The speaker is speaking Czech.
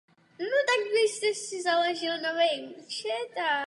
Doufám, že Parlament se ohledně toho raději dvakrát zamyslí.